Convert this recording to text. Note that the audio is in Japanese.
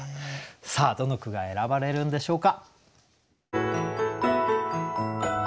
さあどの句が選ばれるんでしょうか。